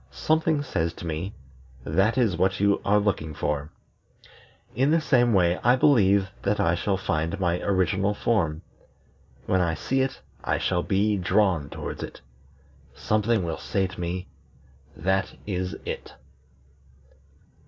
Something says to me: 'That is what you are looking for.' In the same way I believe that I shall find my original form. When I see it, I shall be drawn towards it. Something will say to me: 'That is it.'"